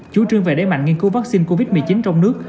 chủ trương về đế mạnh nghiên cứu vaccine covid một mươi chín trong nước